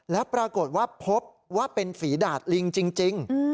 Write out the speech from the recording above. แล้วปรากฏว่าพบว่าเป็นฝีดาดลิงจริง